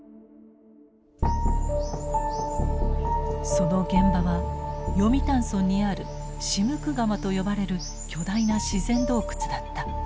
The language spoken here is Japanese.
その現場は読谷村にあるシムクガマと呼ばれる巨大な自然洞窟だった。